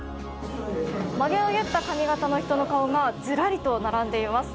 まげを結った髪形の人の顔がずらりと並んでいます。